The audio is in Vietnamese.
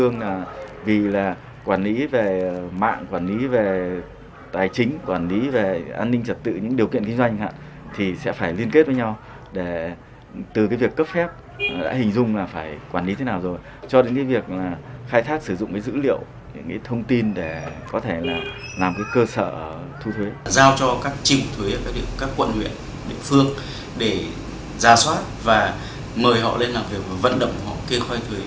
giao cho các triệu thuế các quận huyện địa phương để ra soát và mời họ lên làm việc và vận động họ kê khoai thuế